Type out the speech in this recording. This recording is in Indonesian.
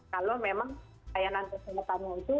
kalau memang sayanan kesehatan itu